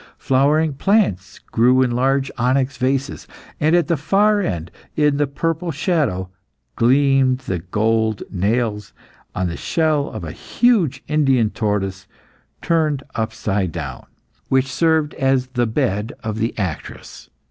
Flowering plants grew in large onyx vases. And at the far end, in the purple shadow, gleamed the gold nails on the shell of a huge Indian tortoise turned upside down, which served as the bed of the actress.